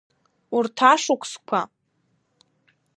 Урҭ ашықәсқәа…